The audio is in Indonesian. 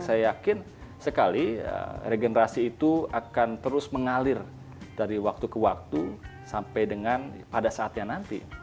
saya yakin sekali regenerasi itu akan terus mengalir dari waktu ke waktu sampai dengan pada saatnya nanti